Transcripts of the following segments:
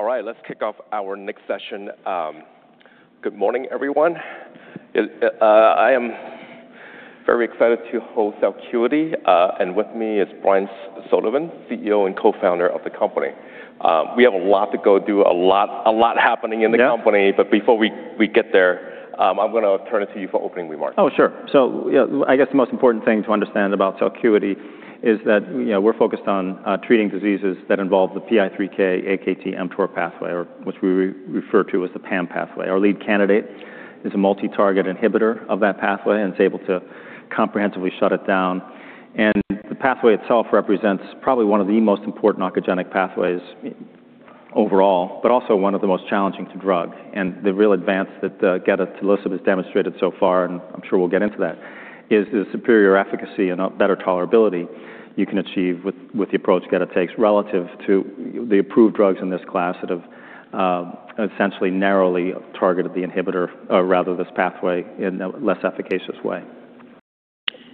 All right, let's kick off our next session. Good morning, everyone. I am very excited to host Celcuity, and with me is Brian Sullivan, CEO and Co-founder of the company. We have a lot to go through, a lot happening in the company. Yeah. Before we get there, I'm going to turn it to you for opening remarks. Sure. I guess the most important thing to understand about Celcuity is that we're focused on treating diseases that involve the PI3K/AKT/mTOR pathway, which we refer to as the PAM pathway. Our lead candidate is a multi-target inhibitor of that pathway, and it's able to comprehensively shut it down. The pathway itself represents probably one of the most important oncogenic pathways overall, but also one of the most challenging to drug. The real advance that gedatolisib has demonstrated so far, and I'm sure we'll get into that, is the superior efficacy and better tolerability you can achieve with the approach Geta takes relative to the approved drugs in this class that have essentially narrowly targeted the inhibitor, or rather this pathway, in a less efficacious way.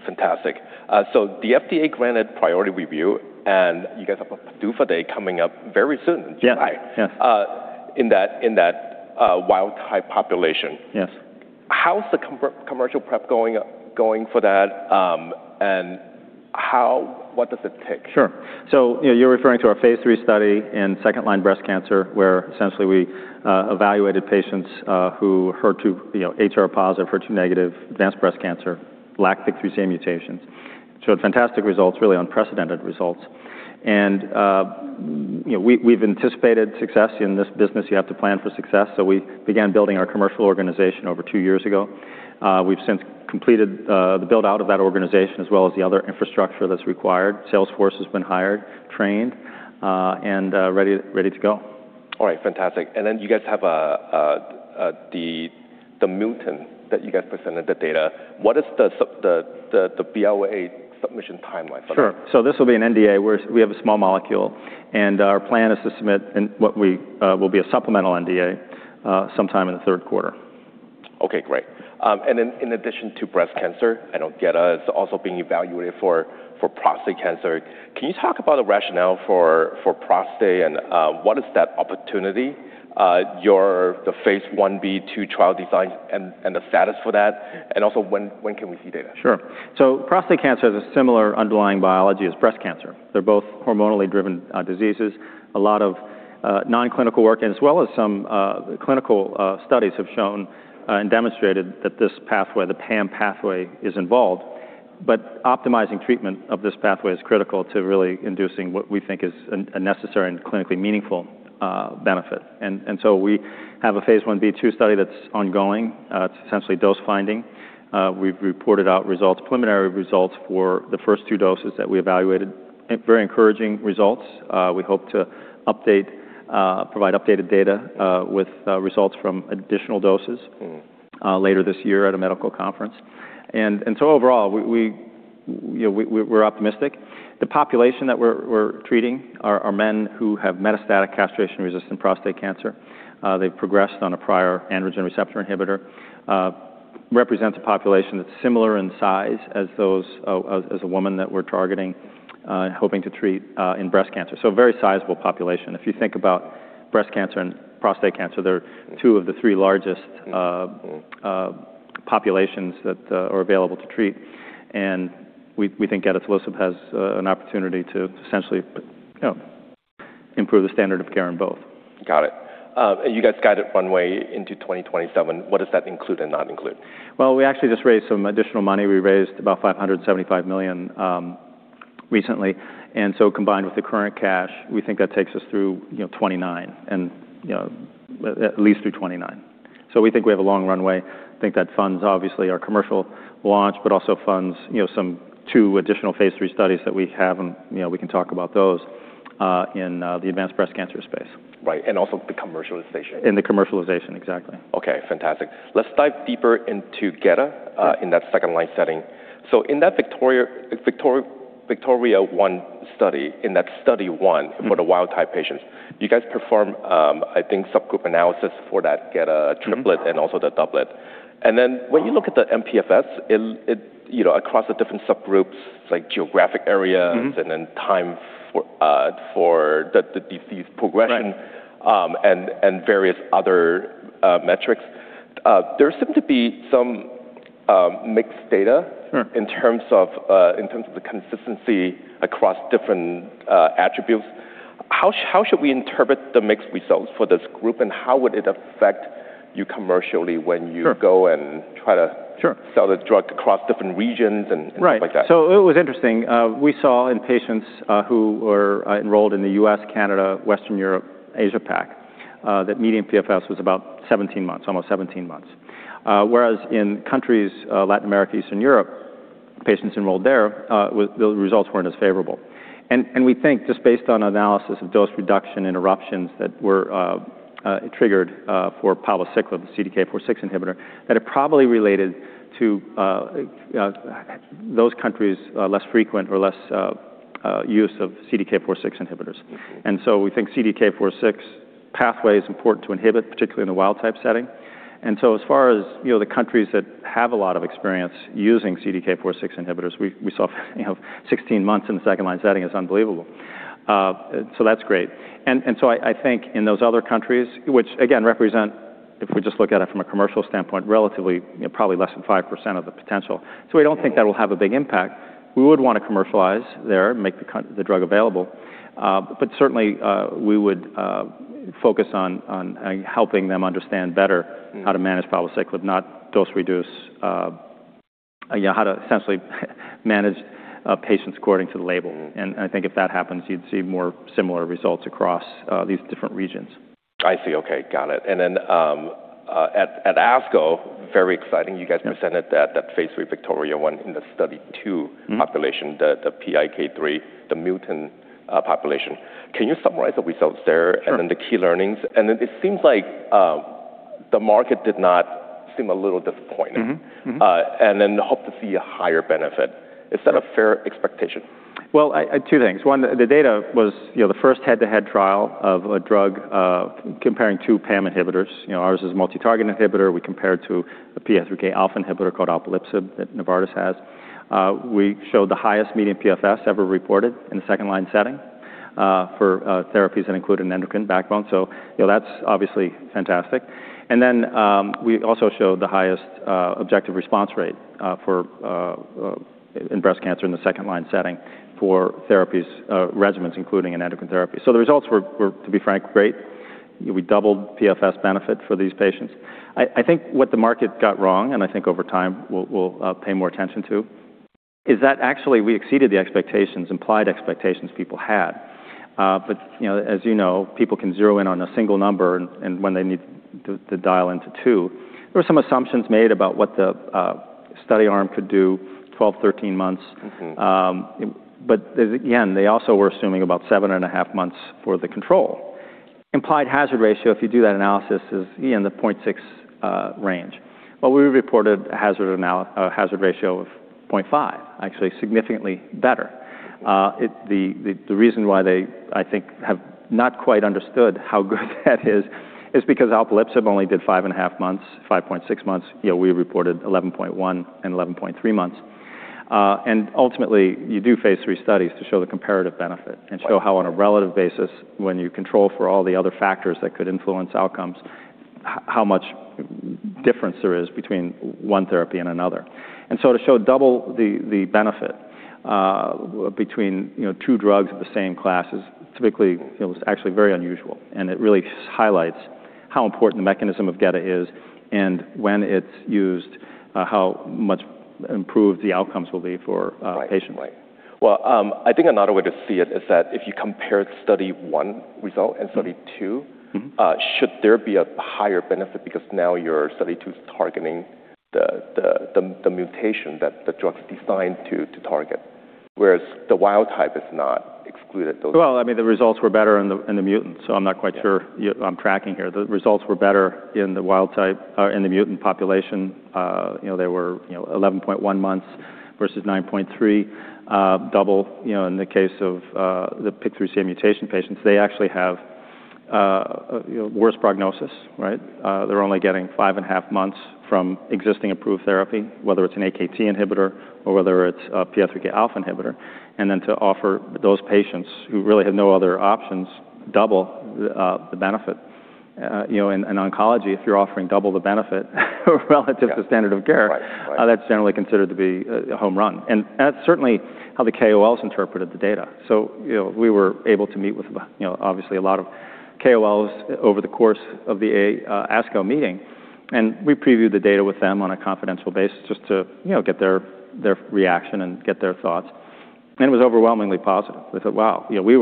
Fantastic. The FDA granted priority review, and you guys have a PDUFA date coming up very soon, in July. Yes in that wild-type population. Yes. How's the commercial prep going for that, and what does it take? Sure. You're referring to our phase III study in second-line breast cancer, where essentially we evaluated patients who, HR plus or HER2 negative advanced breast cancer, lacked the HER2 mutations. Showed fantastic results, really unprecedented results. We've anticipated success. In this business, you have to plan for success, so we began building our commercial organization over two years ago. We've since completed the build-out of that organization as well as the other infrastructure that's required. Sales force has been hired, trained, and ready to go. All right, fantastic. You guys have the mutant that you guys presented, the data. What is the NDA submission timeline for that? Sure. This will be an NDA, we have a small molecule, and our plan is to submit what will be a supplemental NDA sometime in the third quarter. Okay, great. In addition to breast cancer, I know Geta is also being evaluated for prostate cancer. Can you talk about the rationale for prostate and what is that opportunity? Your phase I-B/II trial design and the status for that, and also when can we see data? Sure. Prostate cancer has a similar underlying biology as breast cancer. They're both hormonally driven diseases. A lot of non-clinical work, as well as some clinical studies, have shown and demonstrated that this pathway, the PAM pathway, is involved. Optimizing treatment of this pathway is critical to really inducing what we think is a necessary and clinically meaningful benefit. We have a phase I-B/II study that's ongoing. It's essentially dose finding. We've reported out results, preliminary results, for the first two doses that we evaluated. Very encouraging results. We hope to provide updated data with results from additional doses later this year at a medical conference. Overall, we're optimistic. The population that we're treating are men who have metastatic castration-resistant prostate cancer. They've progressed on a prior androgen receptor inhibitor. Represents a population that's similar in size as the women that we're targeting, hoping to treat in breast cancer. A very sizable population. If you think about breast cancer and prostate cancer, they're two of the three largest populations that are available to treat, and we think gedatolisib has an opportunity to essentially improve the standard of care in both. Got it. You guys got a runway into 2027. What does that include and not include? Well, we actually just raised some additional money. We raised about $575 million recently. Combined with the current cash, we think that takes us through 2029, at least through 2029. We think we have a long runway. That funds, obviously, our commercial launch, also funds two additional phase III studies that we have, and we can talk about those, in the advanced breast cancer space. Right, also the commercialization. The commercialization, exactly. Okay, fantastic. Let's dive deeper into geta in that second line setting. In that VIKTORIA-1 study, in that study one for the wild type patients, you guys perform, I think, subgroup analysis for that geta triplet and also the doublet. When you look at the mPFS across the different subgroups, like geographic areas and then time for the disease progression. Right Various other metrics, there seem to be some mixed data. Sure In terms of the consistency across different attributes. How should we interpret the mixed results for this group, and how would it affect you commercially when you? Sure Go and try to. Sure sell the drug across different regions and things like that? It was interesting. We saw in patients who were enrolled in the U.S., Canada, Western Europe, Asia-Pac, that median PFS was about 17 months, almost 17 months. Whereas in countries, Latin America, Eastern Europe, patients enrolled there, the results weren't as favorable. We think, just based on analysis of dose reduction, interruptions that were triggered for palbociclib, the CDK4/6 inhibitor, that it probably related to those countries, less frequent or less use of CDK4/6 inhibitors. We think CDK4/6 pathway is important to inhibit, particularly in the wild type setting. As far as the countries that have a lot of experience using CDK4/6 inhibitors, we saw 16 months in the second-line setting is unbelievable. That's great. I think in those other countries, which again represent, if we just look at it from a commercial standpoint, relatively probably less than 5% of the potential. We don't think that will have a big impact. We would want to commercialize there, make the drug available. Certainly, we would focus on helping them understand better how to manage palbociclib, not dose reduce. How to essentially manage patients according to the label. I think if that happens, you'd see more similar results across these different regions. I see. Okay. Got it. At ASCO, very exciting, you guys presented that phase III VIKTORIA-1 in the study 2 population- the PIK3CA, the mutant population. Can you summarize the results there- Sure The key learnings? It seems like the market did not seem a little disappointing. The hope to see a higher benefit. Is that a fair expectation? Two things. One, the data was the first head-to-head trial of a drug comparing two PAM inhibitors. Ours is a multi-target inhibitor. We compare it to a PI3K-alpha inhibitor called alpelisib that Novartis has. We showed the highest mPFS ever reported in the second-line setting for therapies that include an endocrine backbone. That's obviously fantastic. We also showed the highest objective response rate in breast cancer in the second-line setting for regimens including an endocrine therapy. The results were, to be frank, great. We doubled mPFS benefit for these patients. I think what the market got wrong, and I think over time we'll pay more attention to, is that actually we exceeded the implied expectations people had. As you know, people can zero in on a single number and when they need to dial into two. There were some assumptions made about what the study arm could do 12, 13 months. Again, they also were assuming about seven and a half months for the control. Implied hazard ratio, if you do that analysis, is again in the 0.6 range. We reported a hazard ratio of 0.5, actually significantly better. The reason why they, I think, have not quite understood how good that is because alpelisib only did five and a half months, 5.6 months. We reported 11.1 and 11.3 months. Ultimately, you do phase III studies to show the comparative benefit- Right show how on a relative basis, when you control for all the other factors that could influence outcomes, how much difference there is between one therapy and another. To show double the benefit between two drugs of the same class is typically, actually very unusual, and it really highlights how important the mechanism of GETA is and when it's used, how much improved the outcomes will be for patients. Right. Well, I think another way to see it is that if you compare study 1 result and study 2 Should there be a higher benefit because now your study 2's targeting the mutation that the drug's designed to target, whereas the wild type is not excluded though? Well, I mean, the results were better in the mutant, so I'm not quite sure I'm tracking here. The results were better in the mutant population. They were 11.1 months versus 9.3, double. In the case of the PIK3CA mutation patients, they actually have worse prognosis, right? They're only getting five and a half months from existing approved therapy, whether it's an AKT inhibitor or whether it's a PI3K-alpha inhibitor. To offer those patients who really had no other options double the benefit. In oncology, if you're offering double the benefit relative to standard of care. Right That's generally considered to be a home run. That's certainly how the KOLs interpreted the data. We were able to meet with obviously a lot of KOLs over the course of the ASCO meeting, and we previewed the data with them on a confidential basis just to get their reaction and get their thoughts, and it was overwhelmingly positive. They said, "Wow. We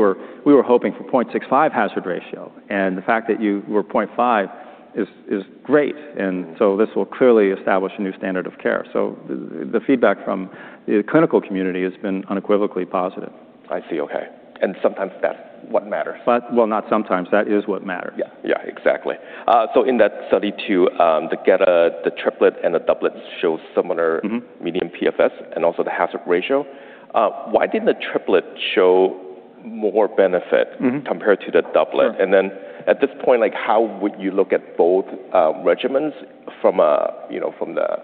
were hoping for 0.65 hazard ratio, and the fact that you were 0.5 is great, this will clearly establish a new standard of care." The feedback from the clinical community has been unequivocally positive. I see. Okay. Sometimes that's what matters. Well, not sometimes. That is what matters. Yeah. Exactly. In that study too, the GETA, the triplet, and the doublet show similar- median PFS and also the hazard ratio. Why didn't the triplet show more benefit- compared to the doublet? Sure. At this point, how would you look at both regimens from the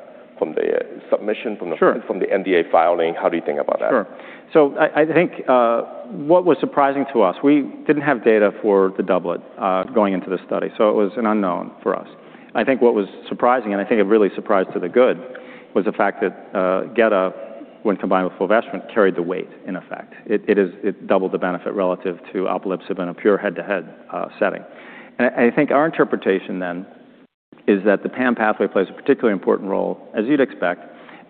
submission Sure from the NDA filing? How do you think about that? Sure. I think what was surprising to us, we didn't have data for the doublet going into the study, so it was an unknown for us. I think what was surprising, and I think a really surprise to the good, was the fact that GETA, when combined with fulvestrant, carried the weight in effect. It doubled the benefit relative to alpelisib in a pure head-to-head setting. I think our interpretation then is that the PAM pathway plays a particularly important role, as you'd expect,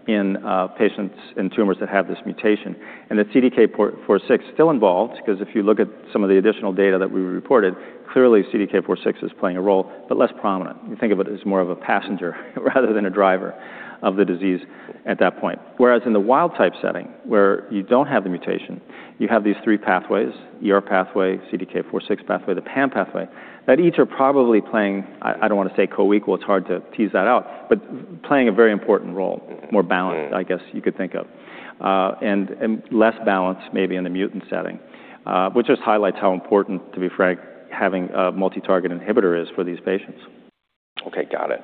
in patients in tumors that have this mutation, and that CDK4/6 is still involved because if you look at some of the additional data that we reported, clearly CDK4/6 is playing a role, but less prominent. You think of it as more of a passenger rather than a driver of the disease at that point. In the wild-type setting where you don't have the mutation, you have these three pathways, ER pathway, CDK4/6 pathway, the PAM pathway, that each are probably playing, I don't want to say co-equal, it's hard to tease that out, but playing a very important role. More balanced, I guess you could think of. Less balance maybe in the mutant setting, which just highlights how important, to be frank, having a multi-target inhibitor is for these patients. Okay. Got it.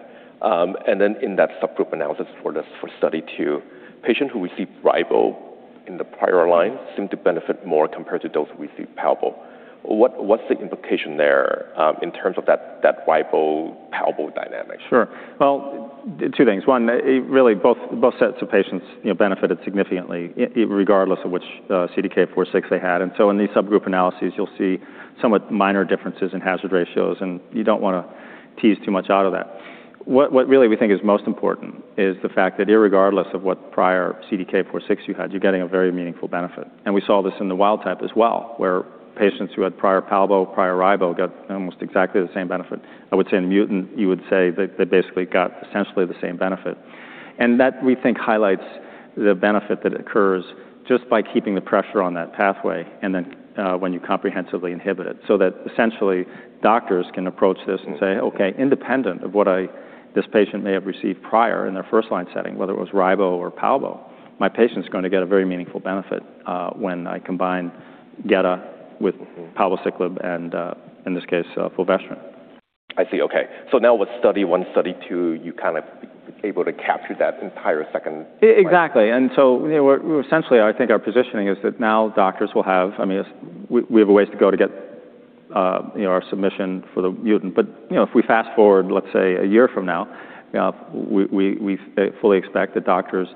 In that subgroup analysis for study 2, patients who received ribociclib in the prior line seemed to benefit more compared to those who received palbociclib. What's the implication there in terms of that ribociclib/palbociclib dynamic? Sure. Well, two things. One, really both sets of patients benefited significantly, regardless of which CDK4/6 they had. In these subgroup analyses, you'll see somewhat minor differences in hazard ratios, and you don't want to tease too much out of that. What really we think is most important is the fact that irregardless of what prior CDK4/6 you had, you're getting a very meaningful benefit. We saw this in the wild type as well, where patients who had prior palbociclib, prior ribociclib got almost exactly the same benefit. I would say in the mutant, you would say they basically got essentially the same benefit. That, we think, highlights the benefit that occurs just by keeping the pressure on that pathway, and then when you comprehensively inhibit it, so that essentially doctors can approach this and say, "Okay, independent of what this patient may have received prior in their first-line setting, whether it was ribociclib or palbociclib, my patient's going to get a very meaningful benefit when I combine Geta with palbociclib and, in this case, fulvestrant. I see. Okay. Now with study 1, study 2, you kind of able to capture that entire second- Exactly. Essentially, I think our positioning is that now we have a ways to go to get our submission for the mutant. If we fast-forward, let's say, a year from now, we fully expect that doctors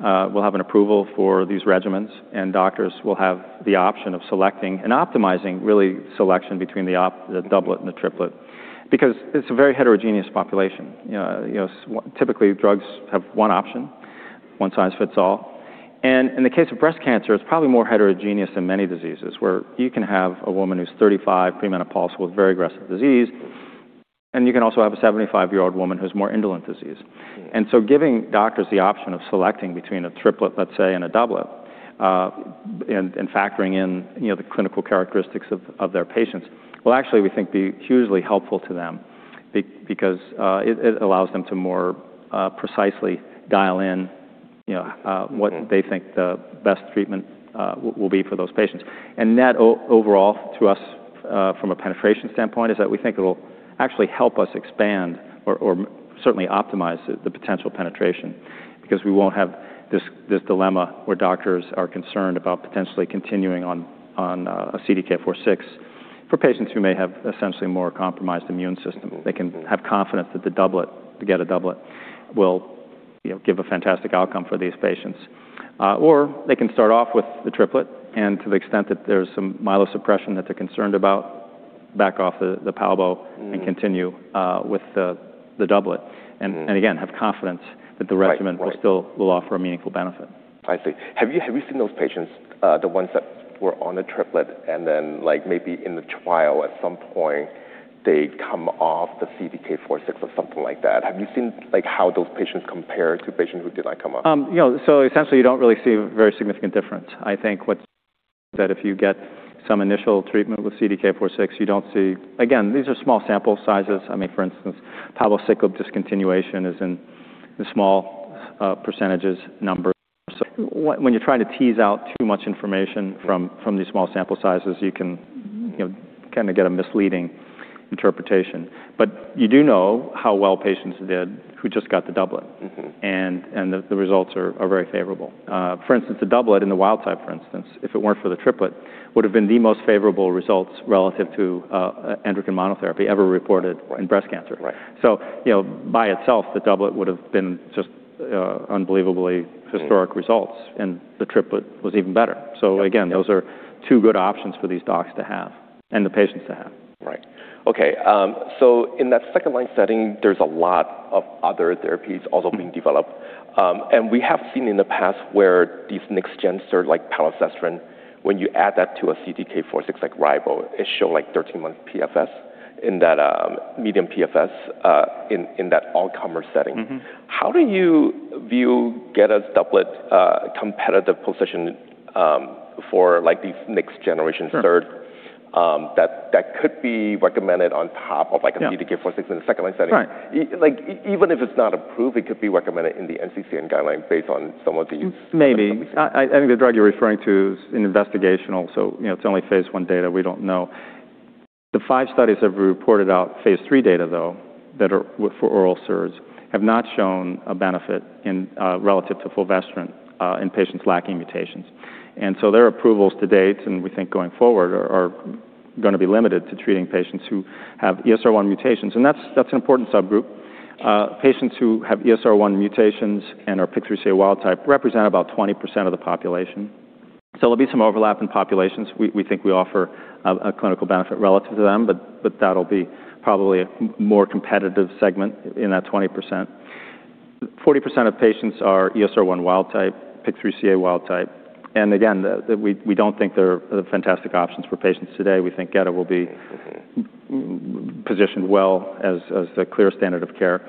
will have an approval for these regimens, and doctors will have the option of selecting and optimizing, really, selection between the doublet and the triplet because it's a very heterogeneous population. Typically, drugs have one option, one size fits all. In the case of breast cancer, it's probably more heterogeneous than many diseases, where you can have a woman who's 35 premenopausal with very aggressive disease, and you can also have a 75-year-old woman who has more indolent disease. Yeah. Giving doctors the option of selecting between a triplet, let say, and a doublet and factoring in the clinical characteristics of their patients will actually, we think, be hugely helpful to them because it allows them to more precisely dial in what they think the best treatment will be for those patients. That overall, to us, from a penetration standpoint, is that we think it'll actually help us expand or certainly optimize the potential penetration because we won't have this dilemma where doctors are concerned about potentially continuing on a CDK4/6 for patients who may have essentially a more compromised immune system. They can have confidence that the doublet, the geta doublet will give a fantastic outcome for these patients. They can start off with the triplet and to the extent that there's some myelosuppression that they're concerned about, back off the palbociclib and continue with the doublet. Again, have confidence that the regimen- Right will still offer a meaningful benefit. I see. Have you seen those patients, the ones that were on a triplet and then maybe in the trial at some point they come off the CDK4/6 or something like that? Have you seen how those patients compare to patients who did not come off? Essentially, you don't really see a very significant difference. I think if you get some initial treatment with CDK4/6, again, these are small sample sizes. For instance, palbociclib discontinuation is in the small % number. When you're trying to tease out too much information from these small sample sizes, you can kind of get a misleading interpretation. You do know how well patients did who just got the doublet. The results are very favorable. For instance, the doublet in the wild type, for instance, if it weren't for the triplet, would've been the most favorable results relative to endocrine monotherapy ever reported. Right In breast cancer. Right. By itself, the doublet would've been just unbelievably historic results, and the triplet was even better. Again, those are two good options for these docs to have and the patients to have. Right. Okay. In that second-line setting, there's a lot of other therapies also being developed. We have seen in the past where these next gens are like palbociclib. When you add that to a CDK4/6-like ribociclib, it show 13-month PFS in that medium PFS, in that all-comer setting. How do you view gedatolisib's doublet competitive position for these next generation third Sure that could be recommended on top of a Yeah CDK4/6 in the second-line setting? Right. Even if it's not approved, it could be recommended in the NCCN guideline based on some of these- Maybe. I think the drug you're referring to is investigational, so it's only phase I data. We don't know. The five studies that we reported out, phase III data, though, that are for oral SERDs have not shown a benefit relative to fulvestrant in patients lacking mutations. Their approvals to date, and we think going forward, are going to be limited to treating patients who have ESR1 mutations, and that's an important subgroup. Patients who have ESR1 mutations and are PIK3CA wild type represent about 20% of the population. There'll be some overlap in populations. We think we offer a clinical benefit relative to them, but that'll be probably a more competitive segment in that 20%. 40% of patients are ESR1 wild type, PIK3CA wild type. Again, we don't think there are fantastic options for patients today. We think Geta will be- positioned well as the clear standard of care.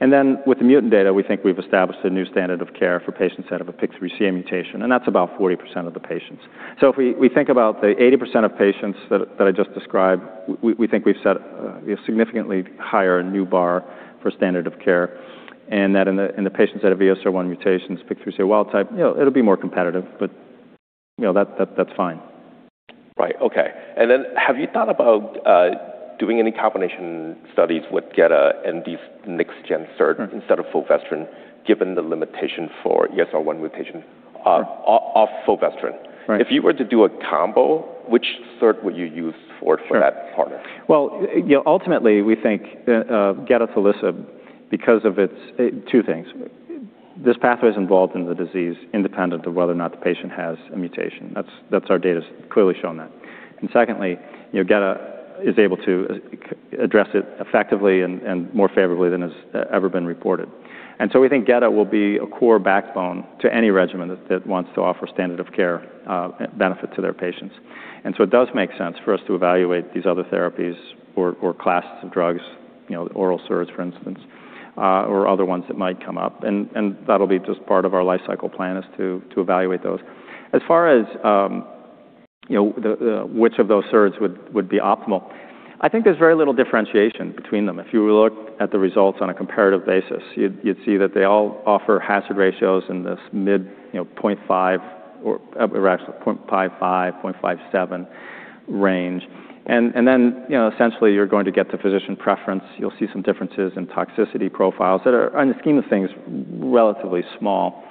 With the mutant data, we think we've established a new standard of care for patients that have a PIK3CA mutation, and that's about 40% of the patients. If we think about the 80% of patients that I just described, we think we've set a significantly higher new bar for standard of care and that in the patients that have ESR1 mutations, PIK3CA wild type, it'll be more competitive, but that's fine. Right. Okay. Have you thought about doing any combination studies with Geta and these next-gen SERD instead of fulvestrant, given the limitation for ESR1 mutation of fulvestrant? Right. If you were to do a combo, which SERD would you use for that partner? Well, ultimately we think gedatolisib, because of two things. This pathway is involved in the disease independent of whether or not the patient has a mutation. Our data's clearly shown that. Secondly, Geta is able to address it effectively and more favorably than has ever been reported. We think Geta will be a core backbone to any regimen that wants to offer standard of care benefit to their patients. It does make sense for us to evaluate these other therapies or classes of drugs, oral SERDs, for instance, or other ones that might come up. That'll be just part of our life cycle plan, is to evaluate those. As far as which of those SERDs would be optimal, I think there's very little differentiation between them. If you look at the results on a comparative basis, you'd see that they all offer hazard ratios in this mid 0.5 or actually 0.55, 0.57 range. Essentially you're going to get to physician preference. You'll see some differences in toxicity profiles that are, on the scheme of things, relatively small.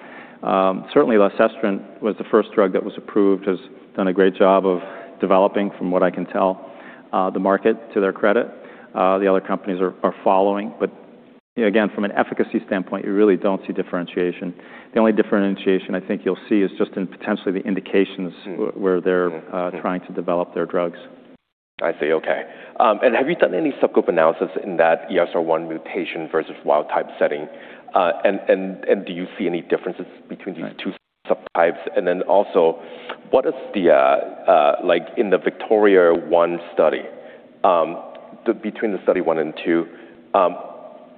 Certainly elacestrant was the first drug that was approved, has done a great job of developing, from what I can tell, the market, to their credit. The other companies are following. Again, from an efficacy standpoint, you really don't see differentiation. The only differentiation I think you'll see is just in potentially the indications where they're trying to develop their drugs. I see. Okay. Have you done any subgroup analysis in that ESR1 mutation versus wild-type setting? Do you see any differences between these two subtypes? Also, in the VIKTORIA-1 study, between the study 1 and 2,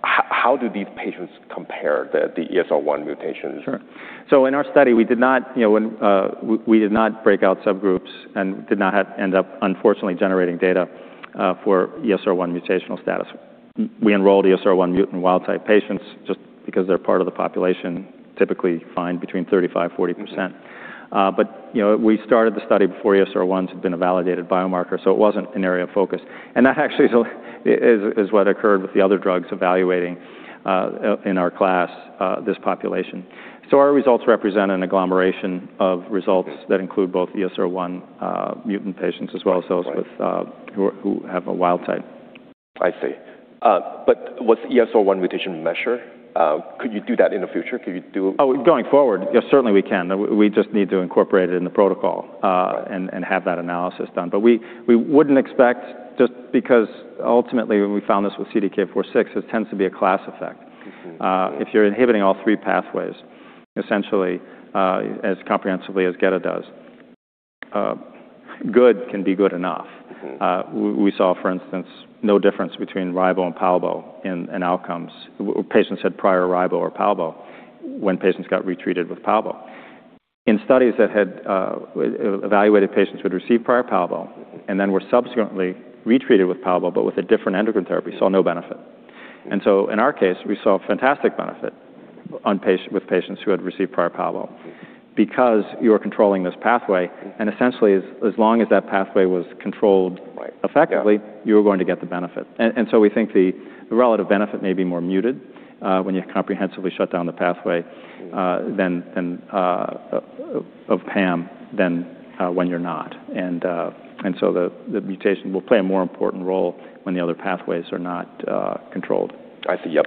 how do these patients compare the ESR1 mutations? Sure. In our study, we did not break out subgroups and did not end up, unfortunately, generating data for ESR1 mutational status. We enrolled ESR1 mutant wild-type patients just because they're part of the population, typically find between 35%-40%. We started the study before ESR1 had been a validated biomarker, so it wasn't an area of focus. That actually is what occurred with the other drugs evaluating in our class, this population. Our results represent an agglomeration of results that include both ESR1 mutant patients, as well as those who have a wild type. I see. Was ESR1 mutation measured? Could you do that in the future? Oh, going forward? Yeah, certainly we can. We just need to incorporate it in the protocol and have that analysis done. We wouldn't expect, just because ultimately when we found this with CDK4/6, it tends to be a class effect. If you're inhibiting all three pathways, essentially, as comprehensively as Geta does, good can be good enough. We saw, for instance, no difference between ribociclib and palbociclib in outcomes where patients had prior ribociclib or palbociclib when patients got retreated with palbociclib. In studies that had evaluated patients who had received prior palbociclib and then were subsequently retreated with palbociclib but with a different endocrine therapy, saw no benefit. In our case, we saw fantastic benefit with patients who had received prior palbociclib because you're controlling this pathway, and essentially, as long as that pathway was controlled effectively, you were going to get the benefit. We think the relative benefit may be more muted when you comprehensively shut down the pathway of PAM than when you're not. The mutation will play a more important role when the other pathways are not controlled. I see. Yep.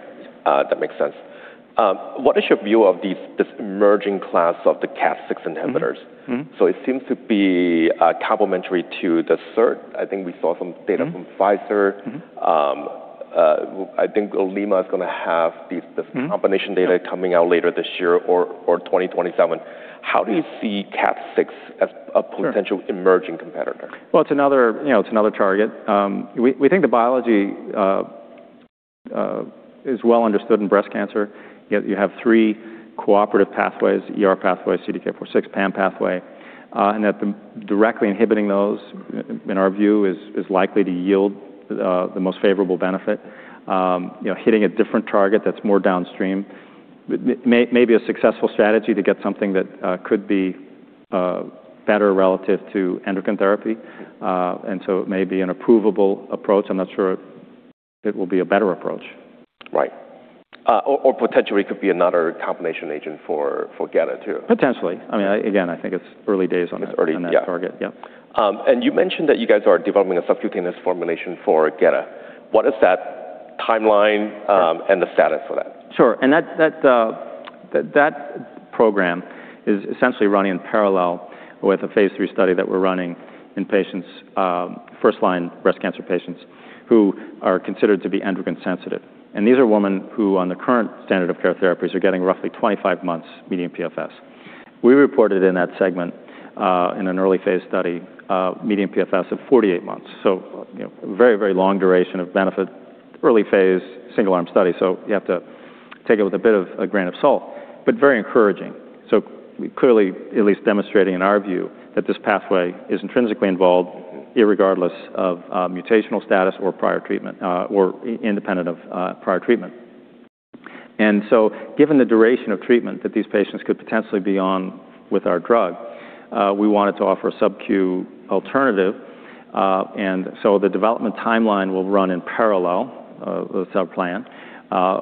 That makes sense. What is your view of this emerging class of the Caspase-6 inhibitors? It seems to be complementary to the SERD. I think we saw some data from Pfizer. I think Lilly is going to have this combination data coming out later this year or 2027. How do you see Caspase-6 as a potential emerging competitor? Well, it's another target. We think the biology is well understood in breast cancer, yet you have three cooperative pathways, ER pathway, CDK4/6, PAM pathway, that directly inhibiting those, in our view, is likely to yield the most favorable benefit. Hitting a different target that's more downstream may be a successful strategy to get something that could be better relative to endocrine therapy. It may be an approvable approach. I'm not sure it will be a better approach. Right. Potentially could be another combination agent for Geta, too. Potentially. Again, I think it's early days on that target. It's early, yeah. Yep. You mentioned that you guys are developing a subcutaneous formulation for Geta. What is that timeline and the status for that? Sure. That program is essentially running in parallel with a phase III study that we're running in first-line breast cancer patients who are considered to be endocrine sensitive. These are women who, on the current standard of care therapies, are getting roughly 25 months median PFS. We reported in that segment, in an early-phase study, a median PFS of 48 months. A very long duration of benefit, early-phase single-arm study. You have to take it with a bit of a grain of salt, but very encouraging. Clearly at least demonstrating in our view that this pathway is intrinsically involved irregardless of mutational status or prior treatment, or independent of prior treatment. Given the duration of treatment that these patients could potentially be on with our drug, we wanted to offer a subcu alternative. The development timeline will run in parallel, the sub plan,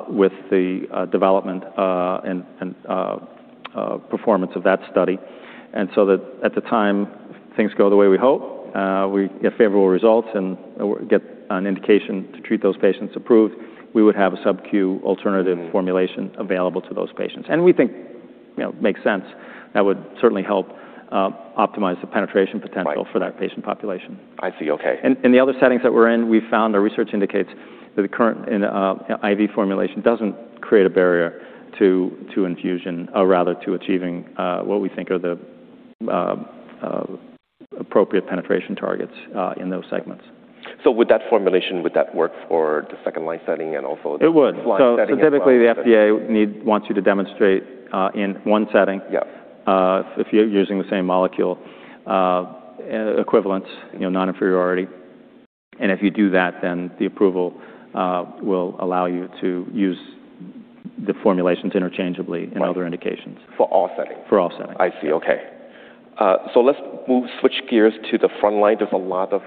with the development and performance of that study. That at the time things go the way we hope, we get favorable results and get an indication to treat those patients approved, we would have a subcu alternative formulation available to those patients. We think makes sense. That would certainly help optimize the penetration potential. Right for that patient population. I see. Okay. In the other settings that we're in, we've found our research indicates that the current IV formulation doesn't create a barrier to infusion, or rather to achieving what we think are the appropriate penetration targets in those segments. Would that formulation, would that work for the second line setting? It would setting as well? Typically, the FDA wants you to demonstrate, in one setting- Yeah If you're using the same molecule, equivalence, non-inferiority. If you do that, then the approval will allow you to use the formulations interchangeably- Right in other indications. For all settings? For all settings. I see. Okay. Let's switch gears to the front line. There's a lot of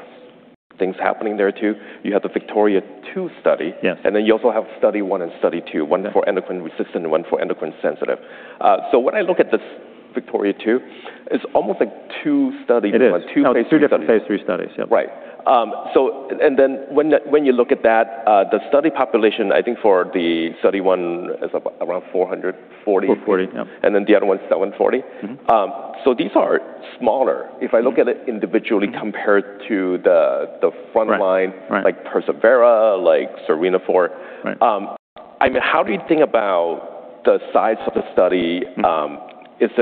things happening there, too. You have the VIKTORIA-2 study. Yes. You also have study one and study two. Yeah. One for endocrine resistant and one for endocrine sensitive. When I look at this VIKTORIA-2, it's almost like two studies. It is like two phase III studies. Two different phase III studies, yeah. Right. Then when you look at that, the study population, I think for the study one is around 440. 440, yeah. Then the other one is 140. These are smaller. If I look at it individually compared to the front line- Right like PERSEVERE, like SERENA-4. Right. How do you think about the size of the study?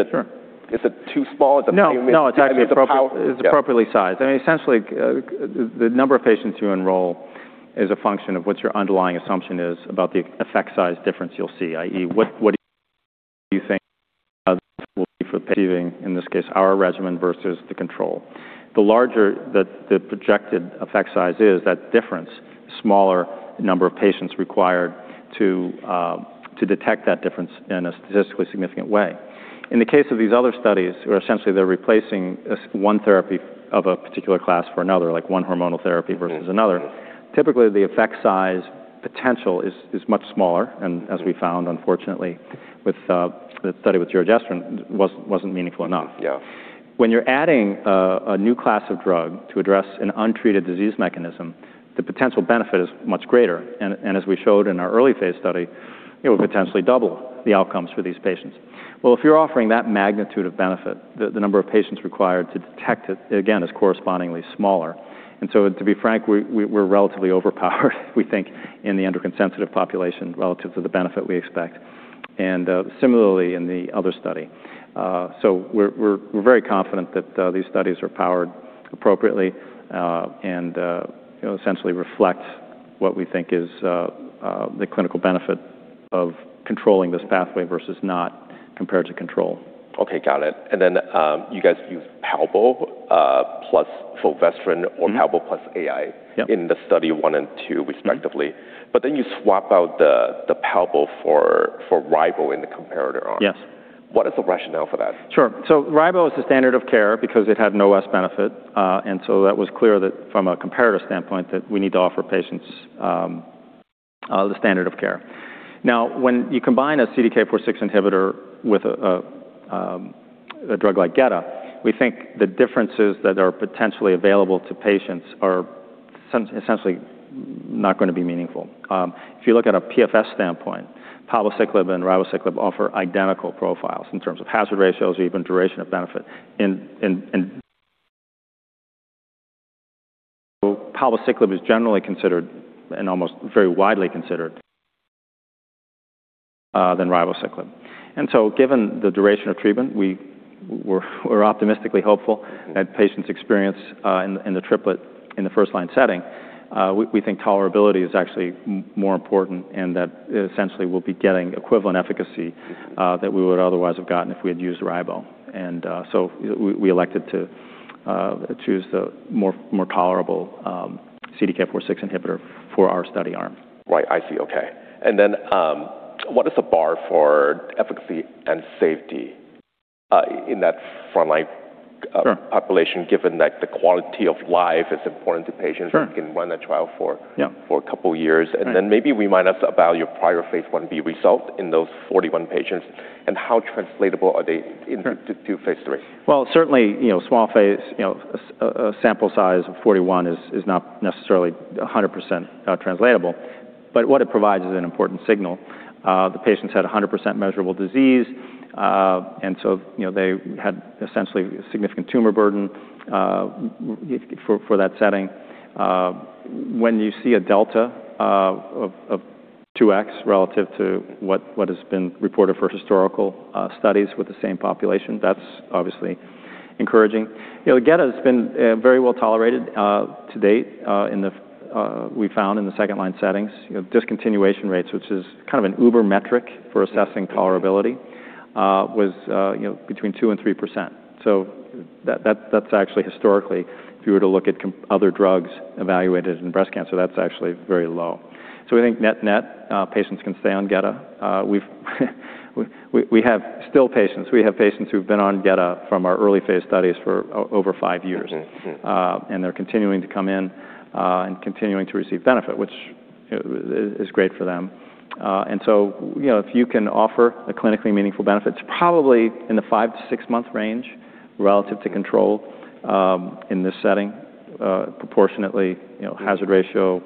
Sure. Is it too small? Is it- No, it's actually appropriately sized. I mean, essentially, the number of patients you enroll is a function of what your underlying assumption is about the effect size difference you'll see, i.e., what do you think will be for receiving, in this case, our regimen versus the control. The larger the projected effect size is, that difference, smaller number of patients required to detect that difference in a statistically significant way. In the case of these other studies, where essentially they're replacing one therapy of a particular class for another, like one hormonal therapy versus another- Typically, the effect size potential is much smaller. As we found, unfortunately, with the study with uncertain, wasn't meaningful enough. Yeah. When you're adding a new class of drug to address an untreated disease mechanism, the potential benefit is much greater. As we showed in our early phase study, it would potentially double the outcomes for these patients. Well, if you're offering that magnitude of benefit, the number of patients required to detect it, again, is correspondingly smaller. To be frank, we're relatively overpowered, we think, in the endocrine sensitive population relative to the benefit we expect, and similarly in the other study. We're very confident that these studies are powered appropriately and essentially reflect what we think is the clinical benefit of controlling this pathway versus not, compared to control. Okay, got it. Then you guys use palbó plus fulvestrant or palbó plus AI- Yep in the study 1 and 2, respectively. Right. You swap out the palbociclib for ribociclib in the comparator arm. Yes. What is the rationale for that? Sure. ribociclib is the standard of care because it had no less benefit. That was clear that from a comparator standpoint, that we need to offer patients the standard of care. Now, when you combine a CDK4/6 inhibitor with a drug like gedatolisib, we think the differences that are potentially available to patients are essentially not going to be meaningful. If you look at a PFS standpoint, palbociclib and ribociclib offer identical profiles in terms of hazard ratios, even duration of benefit. palbociclib is generally considered and almost very widely considered than ribociclib. Given the duration of treatment, we're optimistically hopeful that patients' experience in the triplet in the first-line setting, we think tolerability is actually more important and that essentially we'll be getting equivalent efficacy that we would otherwise have gotten if we had used ribociclib. we elected to choose the more tolerable CDK4/6 inhibitor for our study arm. Right. I see. Okay. what is the bar for efficacy and safety in that front line- Sure population, given that the quality of life is important to patients- Sure can run a trial for- Yeah a couple of years. Right. Maybe remind us about your prior phase I-B result in those 41 patients, and how translatable are they? Sure To phase III? Well, certainly, a sample size of 41 is not necessarily 100% translatable. What it provides is an important signal. The patients had 100% measurable disease. They had essentially a significant tumor burden for that setting. When you see a delta of 2X relative to what has been reported for historical studies with the same population, that's obviously encouraging. gedatolisib has been very well tolerated to date. We found in the second line settings, discontinuation rates, which is kind of an uber metric for assessing tolerability was between 2% and 3%. That's actually historically, if you were to look at other drugs evaluated in breast cancer, that's actually very low. We think net-net, patients can stay on Geta. We have still patients who've been on Geta from our early-phase studies for over five years. They're continuing to come in and continuing to receive benefit, which is great for them. If you can offer a clinically meaningful benefit, it's probably in the five- to six-month range relative to control in this setting, proportionately hazard ratio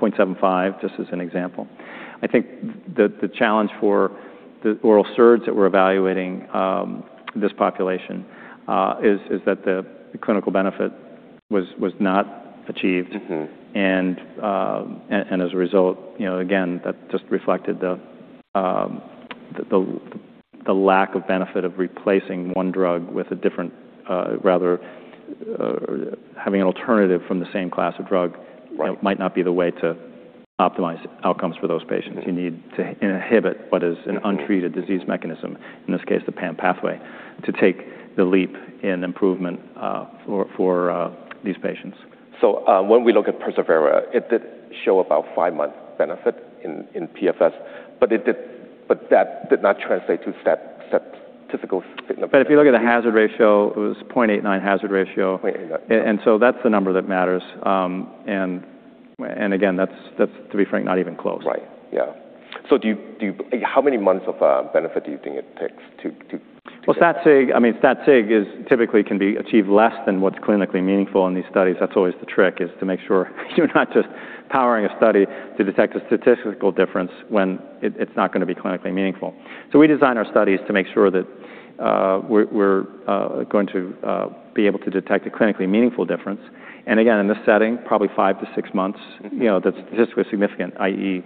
0.75, just as an example. I think the challenge for the oral SERDs that we're evaluating this population is that the clinical benefit was not achieved. As a result, again, that just reflected the lack of benefit of replacing one drug with a different, rather having an alternative from the same class of drug- Right might not be the way to optimize outcomes for those patients. You need to inhibit what is an untreated disease mechanism, in this case, the PAM pathway, to take the leap in improvement for these patients. When we look at PERSEVERE, it did show about five-month benefit in PFS, but that did not translate to statistical significance. if you look at the hazard ratio, it was 0.89 hazard ratio. 0.89. that's the number that matters. again, that's, to be frank, not even close. Right. Yeah. how many months of benefit do you think it takes to- Well, stat sig, typically can be achieved less than what's clinically meaningful in these studies. That's always the trick is to make sure you're not just powering a study to detect a statistical difference when it's not going to be clinically meaningful. we design our studies to make sure that we're going to be able to detect a clinically meaningful difference. again, in this setting, probably five to six months. That's statistically significant, i.e.,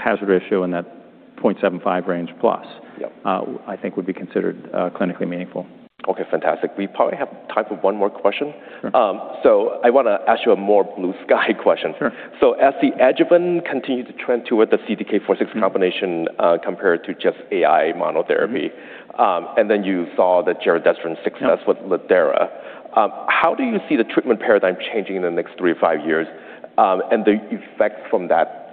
hazard ratio in that 0.75 range. Yep I think would be considered clinically meaningful. Okay, fantastic. We probably have time for one more question. Sure. I want to ask you a more blue sky question. Sure. As the adjuvant continued to trend toward the CDK4/6 combination compared to just AI monotherapy, and then you saw the giredestrant success with lidERA, how do you see the treatment paradigm changing in the next three to five years and the effect from that?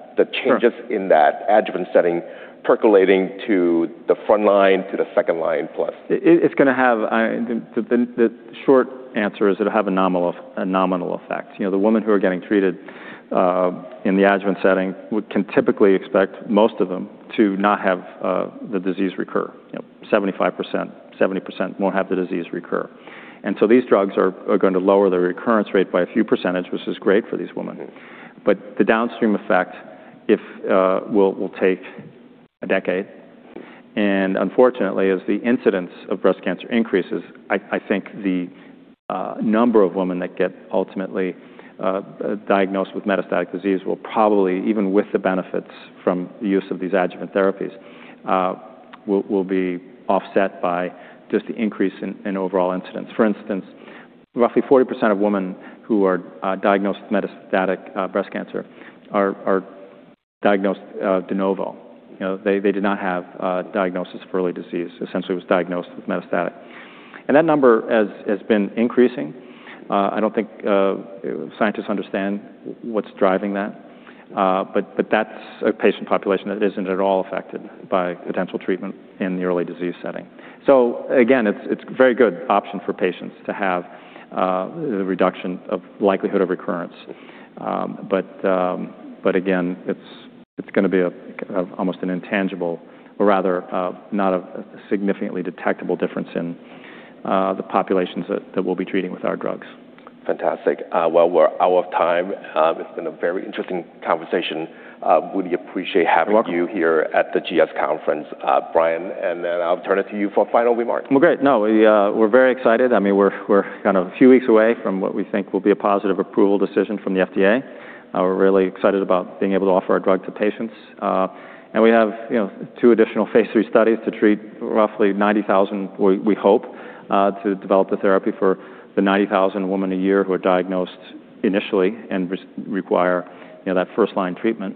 Sure in that adjuvant setting percolating to the front line, to the second line plus? The short answer is it'll have a nominal effect. The women who are getting treated in the adjuvant setting, we can typically expect most of them to not have the disease recur. 75%, 70% won't have the disease recur. These drugs are going to lower the recurrence rate by a few percentage, which is great for these women. The downstream effect will take a decade, and unfortunately, as the incidence of breast cancer increases, I think the number of women that get ultimately diagnosed with metastatic disease will probably, even with the benefits from the use of these adjuvant therapies, will be offset by just the increase in overall incidence. For instance, roughly 40% of women who are diagnosed metastatic breast cancer are diagnosed de novo. They did not have a diagnosis of early disease, essentially was diagnosed with metastatic. That number has been increasing. I don't think scientists understand what's driving that, but that's a patient population that isn't at all affected by potential treatment in the early disease setting. Again, it's very good option for patients to have the reduction of likelihood of recurrence. Again, it's going to be almost an intangible or rather not a significantly detectable difference in the populations that we'll be treating with our drugs. Fantastic. Well, we're out of time. It's been a very interesting conversation. Really appreciate having you- You're welcome. Here at the GS conference, Brian, I'll turn it to you for final remarks. Well, great. No, we're very excited. We're a few weeks away from what we think will be a positive approval decision from the FDA. We're really excited about being able to offer our drug to patients. We have two additional phase III studies to treat roughly 90,000, we hope, to develop the therapy for the 90,000 women a year who are diagnosed initially and require that first-line treatment.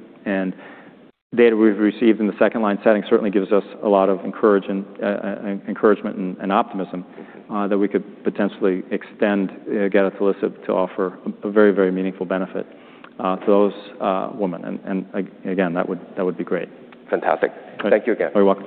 Data we've received in the second-line setting certainly gives us a lot of encouragement and optimism that we could potentially extend gedatolisib to offer a very meaningful benefit to those women. Again, that would be great. Fantastic. Thank you again. You're welcome.